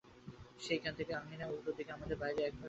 সেইখান থেকে আঙিনার উত্তর দিকে আমাদের বাইরের এক-সার ঘর দেখা যায়।